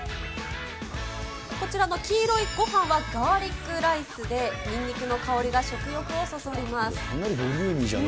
こちらの黄色いごはんはガーリックライスで、にんにくの香りが食欲をそそります。